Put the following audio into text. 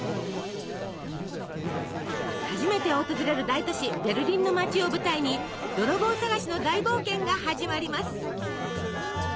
初めて訪れる大都市ベルリンの街を舞台に泥棒捜しの大冒険が始まります。